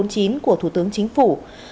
của thủ tướng chính phủ